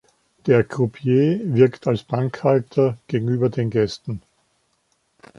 Der Croupier wirkt als Bankhalter gegenüber den Gästen.